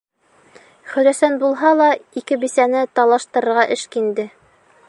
Хөрәсән булһа ла ике бисәне талаштырырға эшкинде.